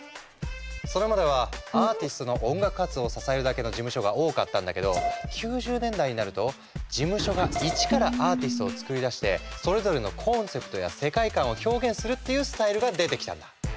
それまではアーティストの音楽活動を支えるだけの事務所が多かったんだけど９０年代になると事務所が一からアーティストをつくり出してそれぞれのコンセプトや世界観を表現するっていうスタイルが出てきたんだ。